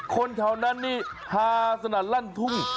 คนแถวนั้นนี่ฮาสนั่นลั่นทุ่ง